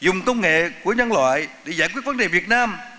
dùng công nghệ của nhân loại để giải quyết vấn đề việt nam